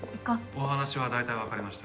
お話は大体わかりました。